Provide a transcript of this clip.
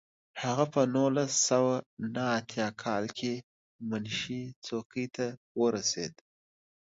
هغه په نولس سوه نهه اتیا کال کې منشي څوکۍ ته ورسېد.